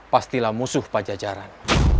pastilah musuh pajajaran